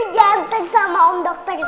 diantar sama om dokter